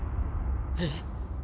えっ？